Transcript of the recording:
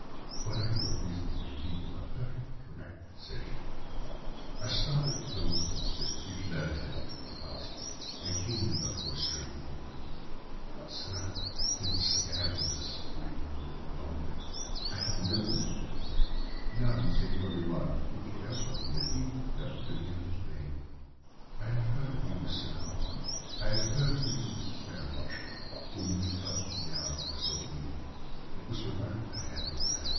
"Whatever your reasons may be, you are perfectly correct," said she. "I started from home before six, reached Leatherhead at twenty past, and came in by the first train to Waterloo. Sir, I can stand this strain no longer; I shall go mad if it continues. I have no one to turn to—none, save only one, who cares for me, and he, poor fellow, can be of little aid. I have heard of you, Mr. Holmes; I have heard of you from Mrs. Farintosh, whom you helped in the hour of her sore need. It was from her that I had your address.